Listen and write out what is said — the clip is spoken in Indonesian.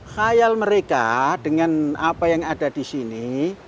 khayal mereka dengan apa yang ada di sini